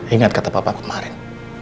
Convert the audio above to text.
ingat kata papa kemarin